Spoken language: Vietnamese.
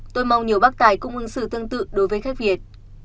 tôi mong nhiều bác tài cũng ứng xử tương tự đối với khách việt